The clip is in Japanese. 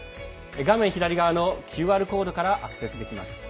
画面左側のＱＲコードからアクセスできます。